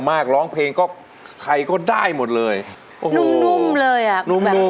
ทำงานเล็กที่สุดท้าย